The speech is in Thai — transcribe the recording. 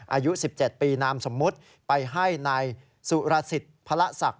อายุ๑๗ปีนามสมมุติไปให้นายสุรสิทธิ์พระศักดิ